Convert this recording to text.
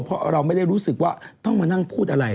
เพราะเราไม่ได้รู้สึกว่าต้องมานั่งพูดอะไร